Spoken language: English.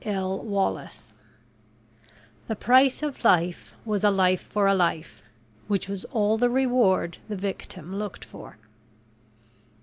L. WALLACE Illustrated by DIEHL _The price of life was a life for a life which was all the reward the victim looked for!